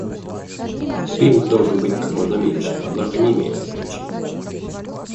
Пинг должен быть как можно меньше, однако не имеет ограничений